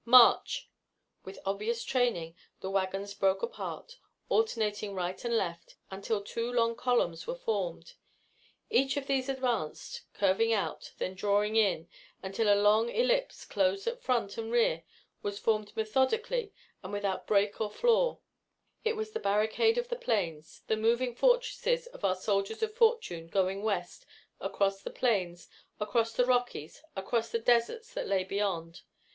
March!" With obvious training, the wagons broke apart, alternating right and left, until two long columns were formed. Each of these advanced, curving out, then drawing in, until a long ellipse, closed at front and rear, was formed methodically and without break or flaw. It was the barricade of the Plains, the moving fortresses of our soldiers of fortune, going West, across the Plains, across the Rockies, across the deserts that lay beyond.